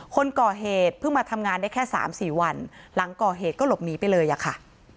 คนก่อเหตุเพิ่งมาทำงานได้แค่สามสี่วันหลังก่อเหตุก็หลบหนีไปเลยอะค่ะ